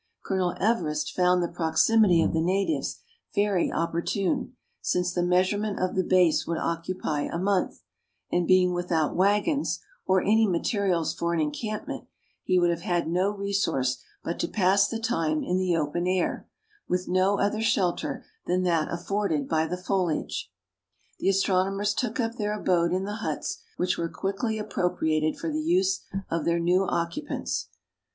Colonel Everest found the proximity of the natives very opportune, since the measurement of the base would occupy a month, and being without waggons, or any materials for an encampment, he would have had no resource but to pass the time in the open air, with no other shelter than that afforded by the foliage. The astronomers took up their abode in the huts, which were quickly appropriated for the use of their new occupants.